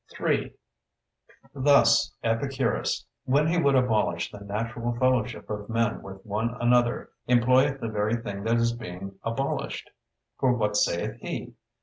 _ 3. Thus Epicurus, when he would abolish the natural fellowship of men with one another, employeth the very thing that is being abolished. For what saith he?